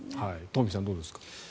トンフィさんどうですか？